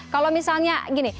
kalau misalnya gini